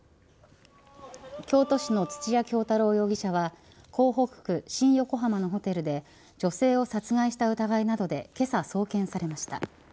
京都市の土屋京多郎容疑者は港北区新横浜のホテルで女性を殺害した疑いなどでけさ送検されました。